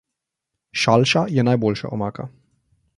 Šalša je najboljša omaka.